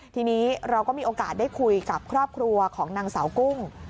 ทีนี้เราก็มีโอกาสได้คุยกับครอบครัวของนางสาวกุ้ง